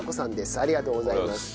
ありがとうございます。